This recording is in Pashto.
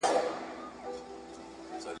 نجوني باید د زده کړي حق ولري.